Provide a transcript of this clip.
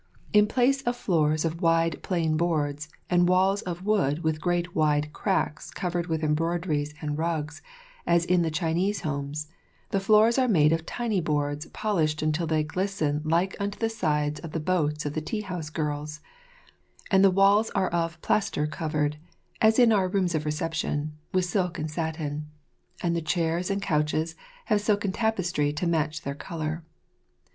In place of floors of wide plain boards, and walls of wood with great wide cracks covered with embroideries and rugs, as in the Chinese homes, the floors are made of tiny boards polished until they glisten like unto the sides of the boats of the tea house girls, and the walls are of plaster covered, as in our rooms of reception, with silk and satin, and the chairs and couches have silken tapestry to match their colour.